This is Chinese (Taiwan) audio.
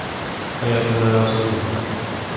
但又不知道要說什麼